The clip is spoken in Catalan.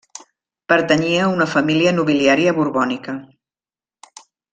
Pertanyia a una família nobiliària borbònica.